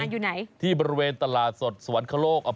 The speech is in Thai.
อยู่ไหนที่บริเวณตลาดสดสวรรคโลก